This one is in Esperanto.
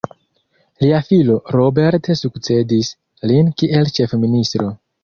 Lia filo Robert sukcedis lin kiel ĉef-ministro.